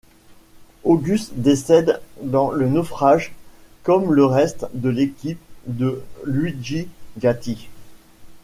Auguste décède dans le naufrage, comme le reste de l’équipe de Luigi Gatti.